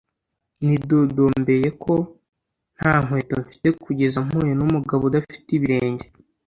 nidodombeye ko nta nkweto mfite kugeza mpuye n'umugabo udafite ibirenge